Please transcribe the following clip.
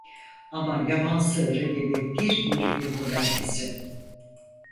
Ama yaban sığırı gibi bir bir vurdular bizi.